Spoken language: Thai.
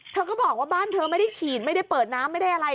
เธอก็บอกว่าบ้านเธอไม่ได้ฉีดไม่ได้เปิดน้ำไม่ได้อะไร